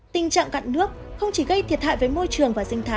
tình trạng cặn nước không chỉ gây thiệt hại với môi trường